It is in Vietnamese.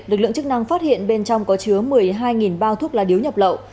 lực lượng chức năng phát hiện bên trong có chứa một mươi hai bao thuốc lá điếu nhập lậu